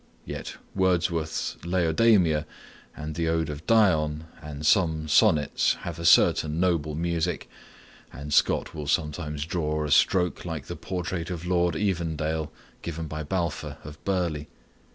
Yet, Wordsworth's "Laodamia," and the ode of "Dion," and some sonnets, have a certain noble music; and Scott will sometimes draw a stroke like the portrait of Lord Evandale given by Balfour of Burley.